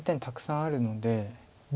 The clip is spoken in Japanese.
たくさんあるので。